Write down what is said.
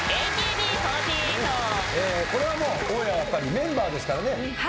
これはもう大家はやっぱりメンバーですからね。